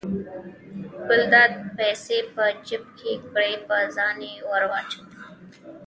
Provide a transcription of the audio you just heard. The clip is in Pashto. ګلداد پیسې په جب کې کړې په ځان یې ور واچولې.